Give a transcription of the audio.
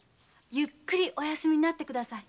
ゆっくりお休みになって下さい。